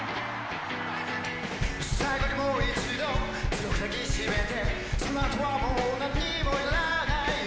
最期にもう一度強く抱きしめてその後はもう何も要らないよ